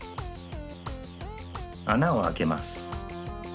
あなをあけます。